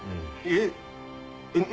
えっ！